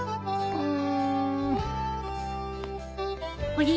うん。